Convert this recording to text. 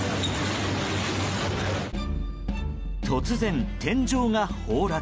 突然、天井が崩落。